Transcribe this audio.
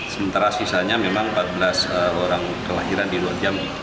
sementara sisanya memang empat belas orang kelahiran di luar jambi